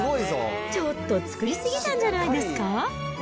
ちょっと作り過ぎたんじゃないですか。